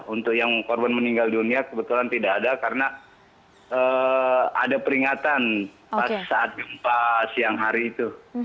untuk yang korban meninggal dunia kebetulan tidak ada karena ada peringatan pas saat gempa siang hari itu